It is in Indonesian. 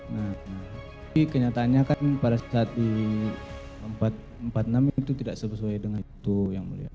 nah tapi kenyataannya kan pada saat di empat puluh enam itu tidak sesuai dengan itu yang mulia